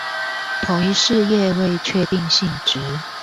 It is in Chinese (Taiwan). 同一事業未確定性質